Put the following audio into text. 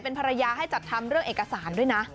เป็นภรรยาให้จัดทำเรื่องเอกสารด้วยนะ